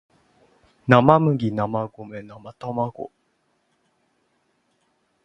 なまむぎなまごめなまたまご